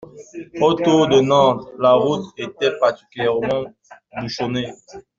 Autour de Nantes, la route était particulièrement bouchonnée.